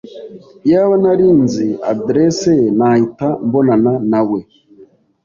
Iyaba nari nzi adresse ye, nahita mbonana nawe.